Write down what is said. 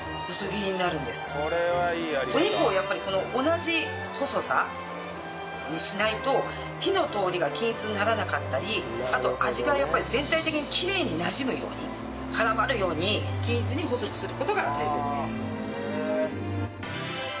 お肉をやっぱり同じ細さにしないと火の通りが均一にならなかったりあと味がやっぱり全体的にきれいになじむように絡まるように均一に細くする事が大切です。